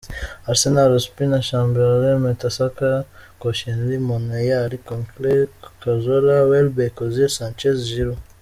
Arsenal: Ospina; Chambers, Mertesacker, Koscielny, Monreal; Coquelin, Cazorla; Welbeck, Özil, Sánchez; Giroud.